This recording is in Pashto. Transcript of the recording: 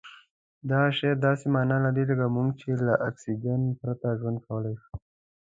دا شعار داسې مانا لري لکه موږ چې له اکسجن پرته ژوند کولای شو.